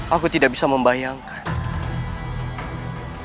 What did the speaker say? aku tidak bisa membayangkan